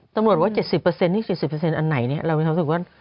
ตำรวจว่า๗๐อันไหน